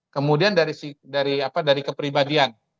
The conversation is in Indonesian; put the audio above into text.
kemudian dari si dari apa dari kepribadian